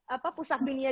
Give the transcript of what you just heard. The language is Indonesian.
apa pusat dunia